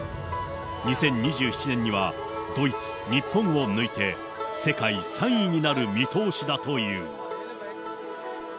２０２７年には、ドイツ、日本を抜いて、世界３位になる見通しだという。